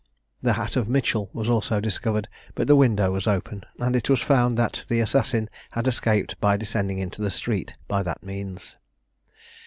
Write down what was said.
The hat of Mitchell was also discovered; but the window was open, and it was found that the assassin had escaped by descending into the street, by that means.